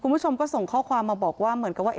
พี่หนุ่มข้อความมาบอกว่าเหมือนกับว่า